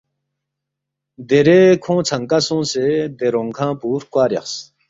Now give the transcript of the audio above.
دیرے کھونگ ژھنکا سونگسے، دے رونگ کھنگ پو ہرکوا ریخس